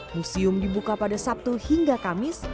museum dibuka pada sabtu hingga kamis